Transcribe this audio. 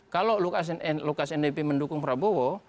kalau lukas ndp mendukung prabowo